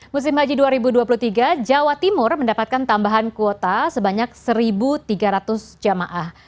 musim haji dua ribu dua puluh tiga jawa timur mendapatkan tambahan kuota sebanyak satu tiga ratus jamaah